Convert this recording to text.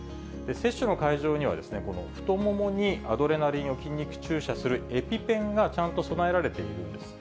接種の会場には、太ももにアドレナリンを筋肉注射するエピペンが、ちゃんと備えられているんです。